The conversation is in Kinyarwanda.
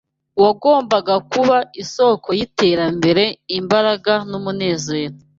wagombaga kuba isōko y’iterambere imbaraga n’umunezero